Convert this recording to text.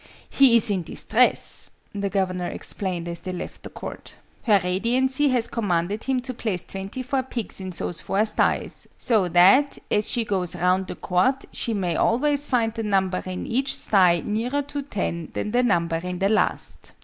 "He is in distress," the Governor explained as they left the court. "Her Radiancy has commanded him to place twenty four pigs in those four sties, so that, as she goes round the court, she may always find the number in each sty nearer to ten than the number in the last."